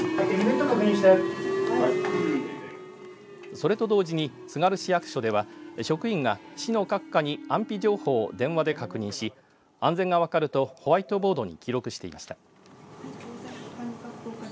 それと同時に、つがる市役所では職員が市の各課に安否情報を電話で確認し安全が分かるとホワイトボードに記録していました。